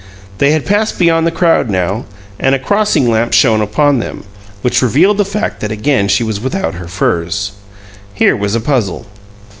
They had passed beyond the crowd now, and a crossing lamp shone upon them, which revealed the fact that again she was without her furs. Here was a puzzle.